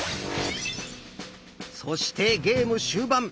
そしてゲーム終盤。